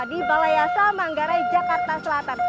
di balai yasa manggarai jakarta selatan